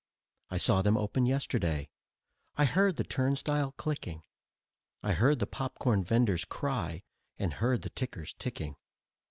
I saw them open yesterday, I heard the turnstile clicking; I heard the popcorn venders' cry and heard the tickers ticking.